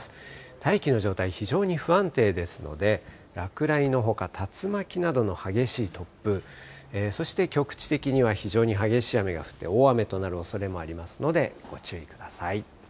大気の状態、非常に不安定ですので、落雷のほか、竜巻などの激しい突風、そして局地的には非常に激しい雨が降って、大雨となるおそれもありますので、ご注意ください。